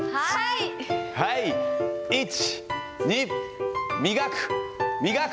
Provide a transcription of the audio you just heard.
はい、１、２、磨く、磨く。